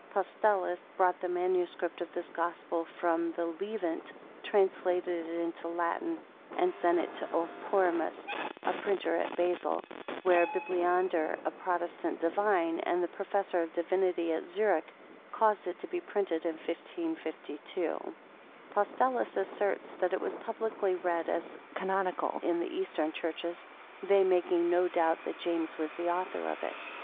Postellus brought the MS. of this Gospel from the Levant, translated it into Latin, and sent it to Oporimus, a printer at Basil, where Bibliander, a Protestant Divine, and the Professor of Divinity at Zurich, caused it to be printed in 1552. Postellus asserts that it was publicly read as canonical in the eastern churches they making no doubt that James was the author, of it.